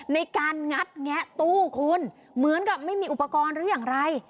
งัดแงะตู้คุณเหมือนกับไม่มีอุปกรณ์หรืออย่างไร